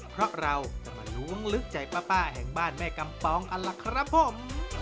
เพราะเราจะมาล้วงลึกใจป้าแห่งบ้านแม่กำปองกันล่ะครับผม